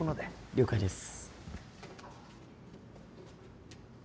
了解です。